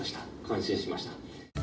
感心しました」